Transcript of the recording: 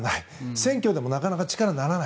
選挙でもなかなか力にならない。